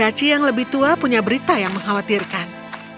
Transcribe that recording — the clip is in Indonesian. tapi kurcaci yang lebih tua punya berita yang mengkhawatirkan